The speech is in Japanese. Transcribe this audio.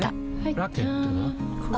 ラケットは？